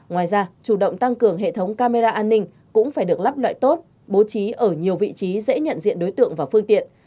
ngoài ra chủ động tăng cường hệ thống camera an ninh cũng phải được lắp lại tốt bố trí ở nhiều vị trí dễ nhận diện đối tượng và phương tiện